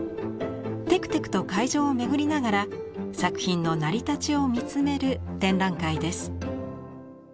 テクテクと会場を巡りながら作品の成り立ちを見つめる展覧会です。